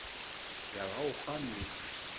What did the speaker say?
Yerɣa uxxam-iw.